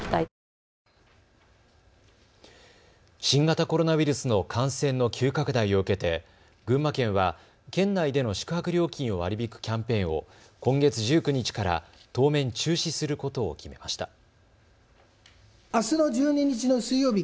新型コロナウイルスの感染の急拡大を受けて群馬県は県内での宿泊料金を割り引くキャンペーンを今月１９日から当面中止することを決めました。